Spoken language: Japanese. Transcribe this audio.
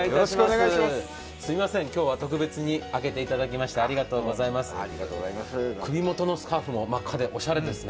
今日は特別に開けていただきましてありがとうございます。